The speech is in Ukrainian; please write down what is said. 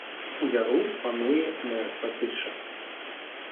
У яру панує мертва тиша.